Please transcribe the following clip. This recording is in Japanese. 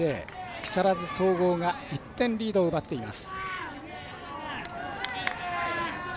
木更津総合が１点リードを奪っています。